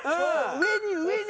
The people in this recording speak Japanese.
上に上に！